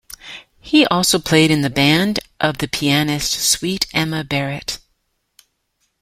He also played in the band of the pianist Sweet Emma Barrett.